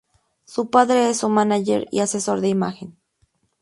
Su padre es su mánager y asesor de imagen.